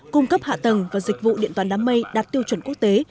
cung cấp hạ tầng và dịch vụ điện toán đám mây đạt tiêu chuẩn quốc tế